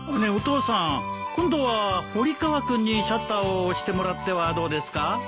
お父さん今度は堀川君にシャッターを押してもらってはどうですか？